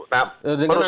nah perusahaan itu aja